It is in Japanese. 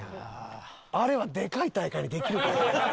あれはでかい大会にできるけどね